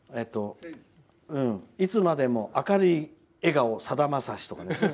「いつまでも明るい笑顔さだまさし」とかね。